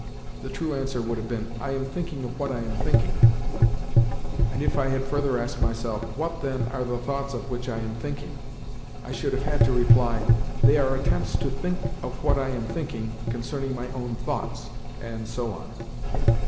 the true answer would have been, "I am thinking of what I am thinking;" and if I had further asked myself, "What, then, are the thoughts of which I am thinking?" I should have had to reply, "They are attempts to think of what I am thinking concerning my own thoughts"—and so on.